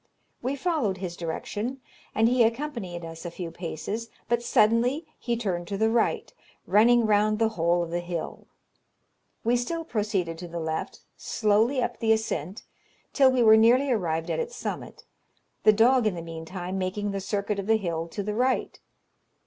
We followed his direction, and he accompanied us a few paces, but suddenly he turned to the right, running round the whole of the hill. We still proceeded to the left, slowly up the ascent, till we were nearly arrived at its summit, the dog in the meantime making the circuit of the hill to the right.